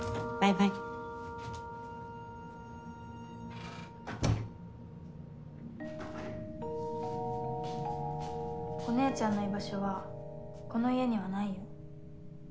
バタンお姉ちゃんの居場所はこの家にはないよ。